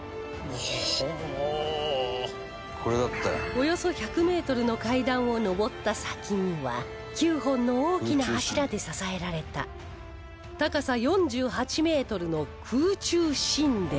およそ１００メートルの階段を上った先には９本の大きな柱で支えられた高さ４８メートルの空中神殿